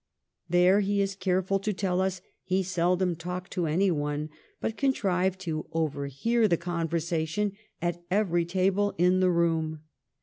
There, he is careful to tell us, he seldom talked to anyone, but contrived to overhear the conversation at every table in the room.